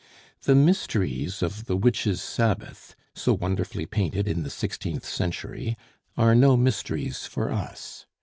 The mysteries of the witches' Sabbath, so wonderfully painted in the sixteenth century, are no mysteries for us.